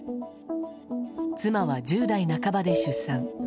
妻は１０代半ばで出産。